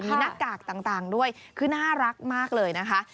มีหน้ากากต่างด้วยคือน่ารักมากเลยนะคะ